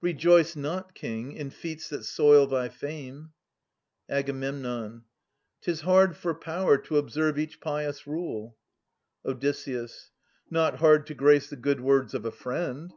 Rejoice not. King, in feats that soil thy fame ! Ag. 'Tis hard for power to observe each pious rule. Od. Not hard to grace the good words of a friend.